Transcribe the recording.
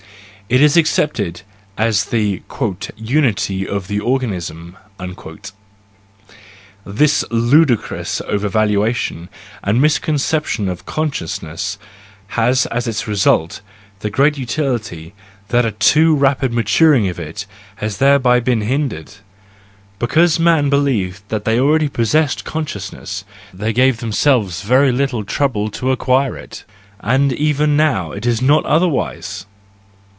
It is accepted as the " unity of the organism"!—This ludicrous overvaluation and misconception of consciousness, has as its result the great utility, that a too rapid maturing of it has thereby been hindered , Because men believed that 48 THE JOYFUL WISDOM, I they already possessed consciousness, they gave themselves very little trouble to acquire it—and even now it is not otherwise!